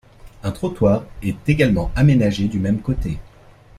Un trottoir est également aménagé du même côté.